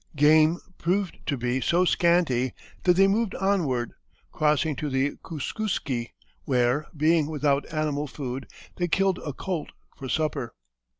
Game proved to be so scanty that they moved onward, crossing to the Kooskooskee, where, being without animal food, they killed a colt for supper.